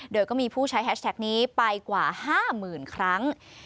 โดยก็มีผู้ใช้แฮชแท็กนี้ไปกว่า๕๐๐๐ครั้ง